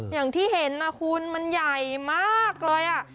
อย่างเห็นม็นใหญ่มากเลย